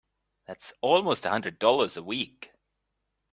That's almost a hundred dollars a week!